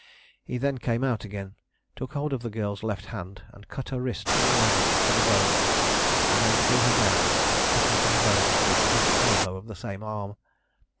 He then came out again, took hold of the girl's left hand, and cut her wrist all round to the bone, and then threw her down, and cut her to the bone just above the elbow of the same arm.